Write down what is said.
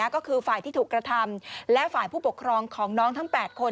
ก็คือฝ่ายที่ถูกกระทำและฝ่ายผู้ปกครองของน้องทั้ง๘คน